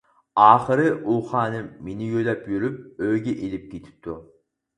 ئاخىرى ئۇ خانىم مېنى يۆلەپ يۈرۈپ ئۆيىگە ئېلىپ كېتىپتۇ.